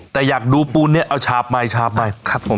แต่อยากดูปูนเนี่ยเอาชาบใหม่ชาบใหม่ครับผม